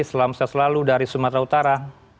selamat siang selalu dari sumatera utara